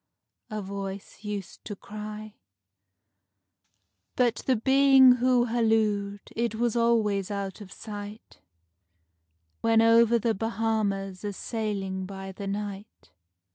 a voice used to cry; But the Being who hallooed it was always out of sight, When over the Bahamas a sailing by the night.